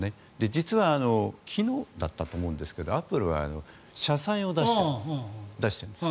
実は昨日だったと思うんですがアップルは社債を出しています。